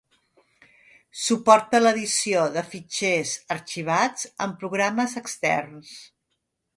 Suporta l'edició de fitxers arxivats amb programes externs.